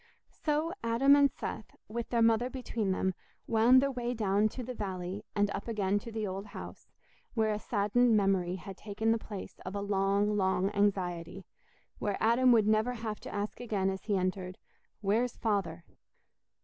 So Adam and Seth, with their mother between them, wound their way down to the valley and up again to the old house, where a saddened memory had taken the place of a long, long anxiety—where Adam would never have to ask again as he entered, "Where's Father?"